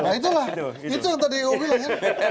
nah itulah itu yang tadi wb bilang